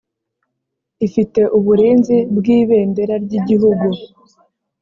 ifite uburinzi bw ibendera ry igihugu